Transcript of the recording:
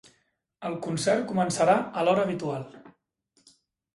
El concert començarà a l'hora habitual.